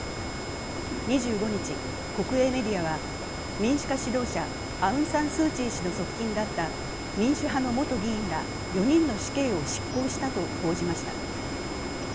２５日、国営メディアは、民主化指導者、アウン・サン・スー・チー氏の側近だった民主派の元議員ら４人の死刑を執行したと報じました。